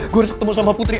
gue harus ketemu sama putri